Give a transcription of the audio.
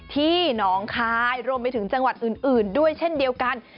ที่หนองคายรวมไปถึงจังหวัดอื่นด้วยเช่นเดียวกัน